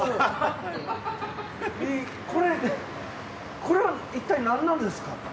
これこれはいったい何なんですか。